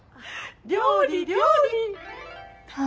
料理料理。